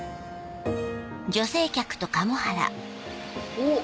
おっ！